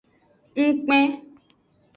Ngkpen.